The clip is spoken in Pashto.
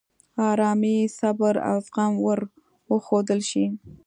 آرامي، صبر، او زغم ور وښودل شي.